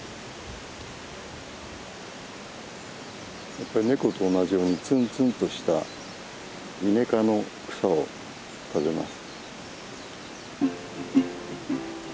やっぱりネコと同じようにツンツンとしたイネ科の草を食べます。